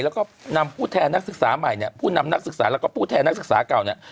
และก็พูดแทนนักศึกษาใหม่ผู้นำนักศึกษาและพูดแทนนักศึกษาเก่า